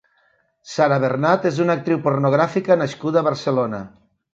Sara Bernat és una actriu pornogràfica nascuda a Barcelona.